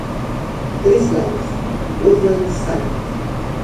Tres lagos, Woodland, St.